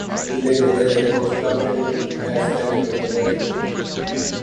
He later did a post-doctorate at Stanford University.